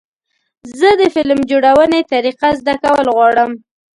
زه د فلم جوړونې طریقه زده کول غواړم.